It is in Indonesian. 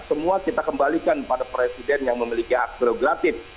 semua kita kembalikan pada presiden yang memiliki hak birokratif